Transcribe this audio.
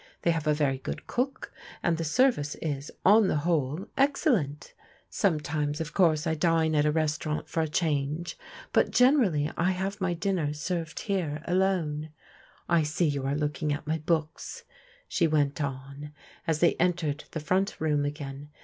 They have a very good cook and the service is, on the whole, excellent. Sometimes, of course I dine at a restaurant for a change, but generally I have my dinner served hei^ aloo^ I see you are loddqg at MISS STATHAM'* 849 my books/' she went on, as they entered the front room again.